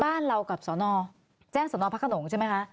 บ้านเรากับสนแจ้งสนพระขนงใช่ไหมคะ